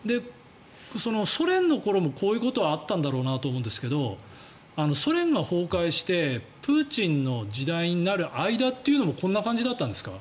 ソ連の頃もこういうことはあったんだろうなと思いますがソ連が崩壊してプーチンの時代になる間というのもこんな感じだったんですか？